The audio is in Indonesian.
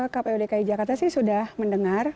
kpu dki jakarta sih sudah mendengar